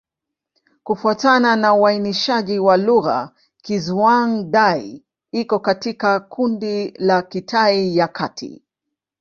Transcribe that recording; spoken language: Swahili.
Kufuatana na uainishaji wa lugha, Kizhuang-Dai iko katika kundi la Kitai ya Kati.